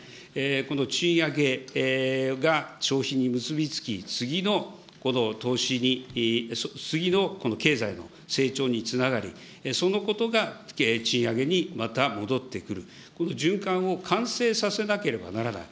この賃上げが消費に結びつき、次のこの投資に、次の経済の成長につながり、そのことが賃上げにまた戻ってくる、この循環を完成させなければならない。